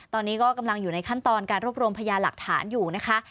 ตอนนี้ก็กำลังอยู่ในขั้นตอนการรวบรวมพยาหลักฐานอยู่นะคะ